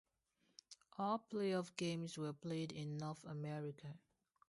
All playoff games were played in North America.